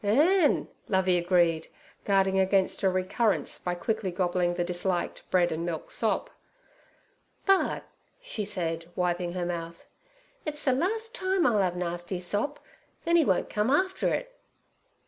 'Ern' Lovey agreed, guarding against a recurrence by quickly gobbling the disliked bread and milk sop. 'But' she said, wiping her mouth, 'it's the last time Ill 'ave nasty sop, then 'e wont come after it.'